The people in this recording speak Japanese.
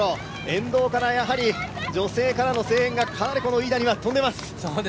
沿道から女性からの声援がかなりこの飯田には飛んでいます。